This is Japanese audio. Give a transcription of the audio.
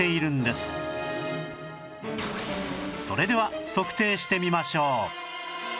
それでは測定してみましょう